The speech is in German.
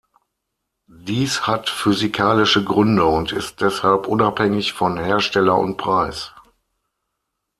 Dies hat physikalische Gründe und ist deshalb unabhängig von Hersteller und Preis.